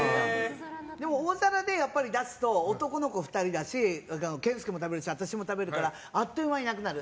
大皿で出すと男の子２人だし健介も私も食べるからあっという間になくなる。